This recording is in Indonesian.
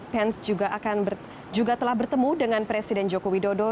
pens juga telah bertemu dengan presiden joko widodo